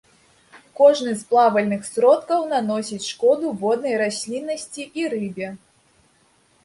Кожны з плавальных сродкаў наносіць шкоду воднай расліннасці і рыбе.